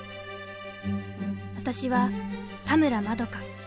私は田村まどか。